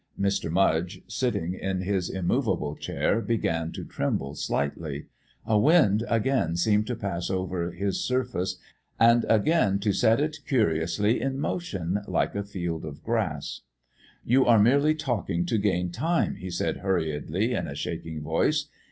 Mr. Mudge, sitting in his immovable chair, began to tremble slightly. A wind again seemed to pass over his surface and again to set it curiously in motion like a field of grass. "You are merely talking to gain time," he said hurriedly, in a shaking voice.